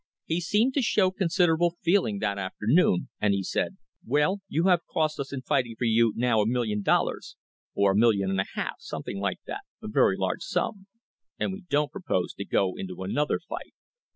He seemed to show considerable feeling that afternoon, and he said : 'Well, you have cost us in fighting for you now a million dollars' (or a million and a half, something like that — a very large sum), 'and we don't propose to go into another fight.'